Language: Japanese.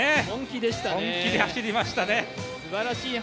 本気で走りましたね。